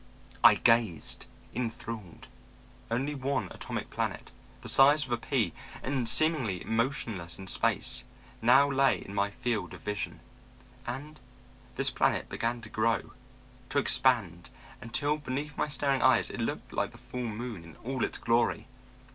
"I gazed, enthralled. Only one atomic planet the size of a pea and seemingly motionless in space now lay in my field of vision. And this planet began to grow, to expand, until beneath my staring eyes it looked like the full moon in all its glory.